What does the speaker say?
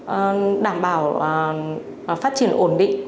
để đảm bảo phát triển ổn định